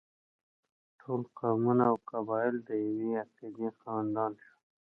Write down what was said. ټول قومونه او قبایل د یوې عقیدې خاوندان شول.